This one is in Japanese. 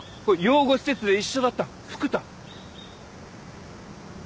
養護施設で一緒だった福多。